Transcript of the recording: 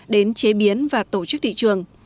đến chế biến và tổ chức thị trường